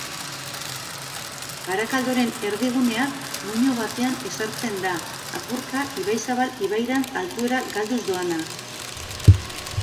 Barakaldoren erdigunea muino batean ezartzen da, apurka Ibaizabal ibairantz altuera galduz doana